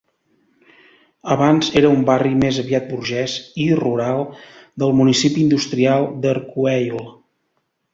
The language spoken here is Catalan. Abans era un barri més aviat burgès i rural del municipi industrial d'Arcueil.